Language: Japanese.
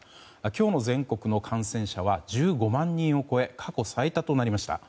今日の全国の感染者は１５万人を超え過去最多となりました。